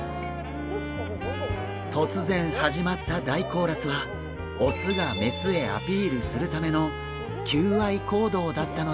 突然始まった大コーラスはオスがメスへアピールするための求愛行動だったのです！